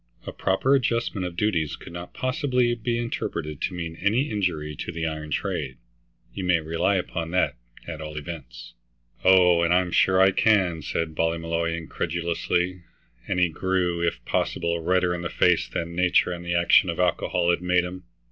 A proper adjustment of duties could not possibly be interpreted to mean any injury to the iron trade. You may rely upon that, at all events." "Oh, and I'm sure I can," said Ballymolloy incredulously, and he grew, if possible, redder in the face than nature and the action of alcohol had made him.